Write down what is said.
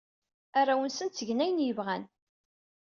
Arraw-nsen ttgen ayen ay bɣan.